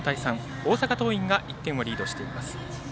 大阪桐蔭が１点をリードしています。